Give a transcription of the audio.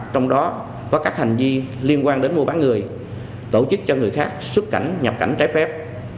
trong đó có các hành vi liên quan đến mua bán người tổ chức cho người khác xuất cảnh nhập cảnh trái phép